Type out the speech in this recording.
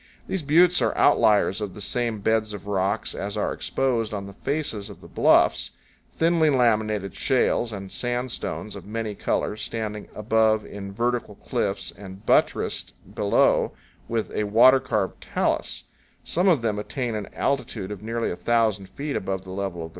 These buttes are outliers of the same beds of rocks as are exposed on the faces of the bluffs, thinly laminated shales and sandstones of many colors, standing above in vertical cliffs and buttressed below with a water carved talus; some of them attain an altitude of nearly a thousand feet above the level of the river.